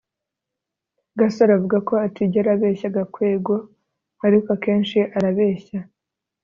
gasore avuga ko atigera abeshya gakwego, ariko akenshi arabeshya